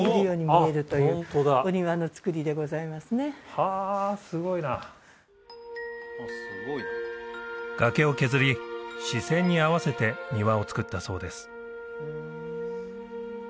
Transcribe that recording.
ホントだはあすごいな崖を削り視線に合わせて庭を造ったそうです